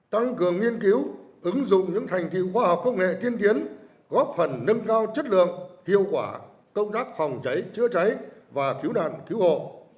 tăng cường nghiên cứu ứng dụng những thành tiệu khoa học công nghệ tiên tiến góp phần nâng cao chất lượng hiệu quả công tác phòng cháy chữa cháy và cứu nạn cứu hộ